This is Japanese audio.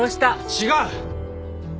違う！